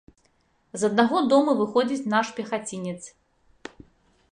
З аднаго дому выходзіць наш пехацінец.